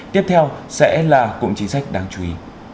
tiếp theo sẽ là cụm chính sách đáng chú ý